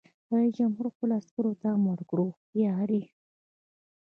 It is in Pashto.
رئیس جمهور خپلو عسکرو ته امر وکړ؛ هوښیار!